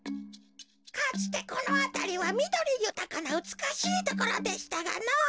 かつてこのあたりはみどりゆたかなうつくしいところでしたがのぉ。